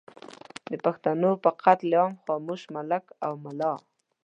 د پښتنو پر قتل عام خاموش ملک او ملا